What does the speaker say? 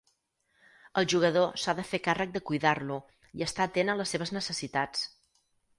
El jugador s'ha de fer càrrec de cuidar-lo i estar atent a les seves necessitats.